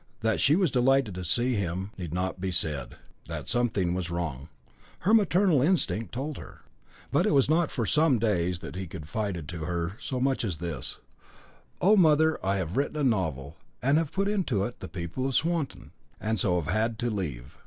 That she was delighted to see him need not be said; that something was wrong, her maternal instinct told her. But it was not for some days that he confided to her so much as this: "Oh, mother, I have written a novel, and have put into it the people of Swanton and so have had to leave."